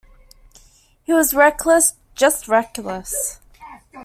He was reckless, just reckless.